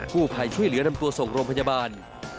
ผู้ภัยช่วยเหลือนำตัวส่งโรงพยาบาล